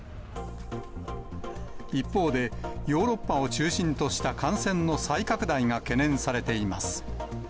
一方で、ヨーロッパを中心とした感染の再拡大が懸念されています。